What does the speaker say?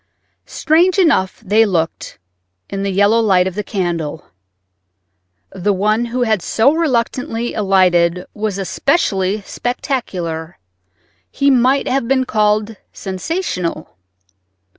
Strange enough they looked in the yellow light of the candle. The one who had so reluctantly alighted was especially spectacular—he might have been called sensational.